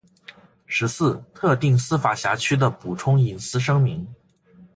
十四、特定司法辖区的补充隐私声明